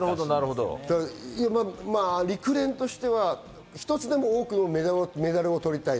陸連としては一つでも多くのメダルを取りたい。